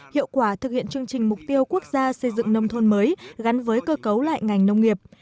hiệu quả thực hiện chương trình mục tiêu quốc gia xây dựng nông thôn mới gắn với cơ cấu lại ngành nông nghiệp